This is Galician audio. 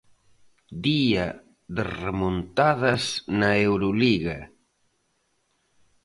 Día de remontadas na Euroliga.